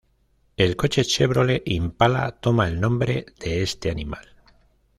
El coche Chevrolet Impala toma el nombre de este animal.